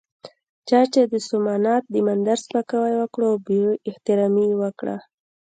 چا چې د سومنات د مندر سپکاوی وکړ او بې احترامي یې وکړه.